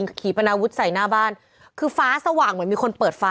นี่เป็นแบบโอ้ยนี่ขนาดยังไม่ขึ้นนะ